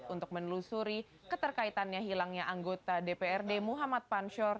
untuk menelusuri keterkaitannya hilangnya anggota dprd muhammad panshor